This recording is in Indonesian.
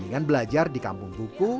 dengan belajar di kampung buku